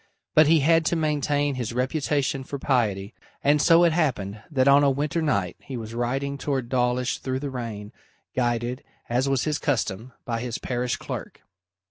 But he had to maintain his reputation for piety, and so it happened that on a winter night he was riding towards Dawlish through the rain, guided, as was his custom, by his parish clerk.